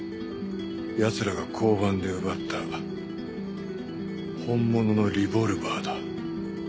ヤツらが交番で奪った本物のリボルバーだ。